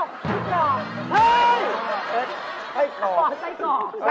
ไอ้เกาะ